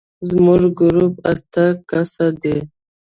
زموږ ګروپ اتیا کسه دی.